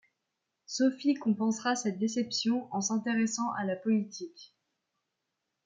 Sophie compensera cette déception en s'intéressant à la politique.